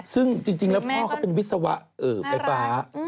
ซึ่งจริงแล้วพ่อเขาเป็นวิศวะไฟฟ้า